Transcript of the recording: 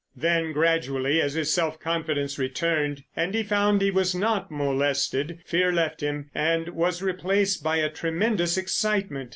Then, gradually, as his self confidence returned and he found he was not molested, fear left him and was replaced by a tremendous excitement.